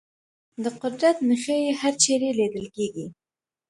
د قدرت نښې هرچېرې لیدل کېږي.